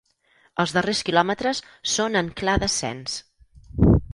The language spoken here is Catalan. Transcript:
Els darrers quilòmetres són en clar descens.